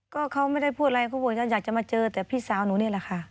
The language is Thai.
ก็เขาไม่ได้พูดอะไรเขาบอกว่าอยากจะมาเจอแต่พี่สาวหนูนี่แหละค่ะ